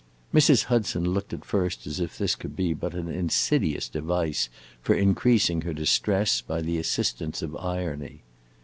Mrs. Hudson looked at first as if this could be but an insidious device for increasing her distress by the assistance of irony.